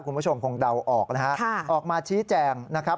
คุณผู้ชมคงเดาออกนะฮะออกมาชี้แจงนะครับ